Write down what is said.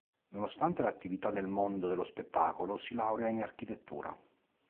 Nonostante l'attività nel mondo dello spettacolo, si laurea in architettura.